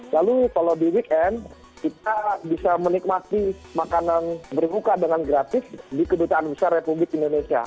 lalu kalau di weekend kita bisa menikmati makanan berbuka dengan gratis di kedutaan besar republik indonesia